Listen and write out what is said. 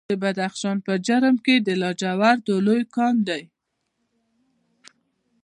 د بدخشان په جرم کې د لاجوردو لوی کان دی.